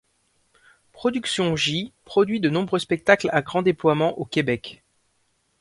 Productions J produit de nombreux spectacles à grand déploiement au Québec.